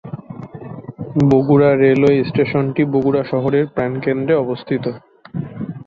Bogura railway স্টেশনটি বগুড়া শহরের প্রাণকেন্দ্রে অবস্থিত।